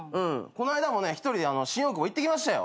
こないだもね１人で新大久保行ってきましたよ。